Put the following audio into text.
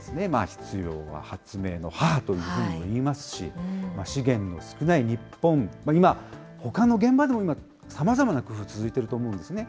必要は発明の母ともいいますし、資源の少ない日本、今、ほかの現場でも今、さまざまな工夫、続いていると思うんですね。